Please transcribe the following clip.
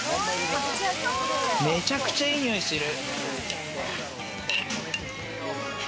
めちゃくちゃいい匂いする。